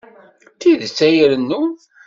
D tidet ay irennun.